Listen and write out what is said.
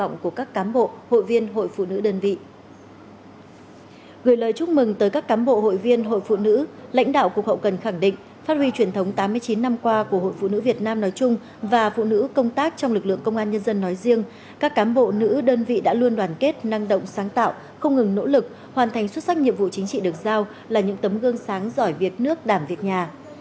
gửi lời chúc mừng tới các cám bộ hội viên hội phụ nữ lãnh đạo cục hậu cần khẳng định phát huy truyền thống tám mươi chín năm qua của hội phụ nữ việt nam nói chung và phụ nữ công tác trong lực lượng công an nhân dân nói riêng các cám bộ nữ đơn vị đã luôn đoàn kết năng động sáng tạo không ngừng nỗ lực hoàn thành xuất sắc nhiệm vụ chính trị được giao là những tấm gương sáng giỏi việt nước đảm việt nhà